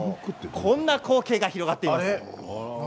こんな光景が広がっています。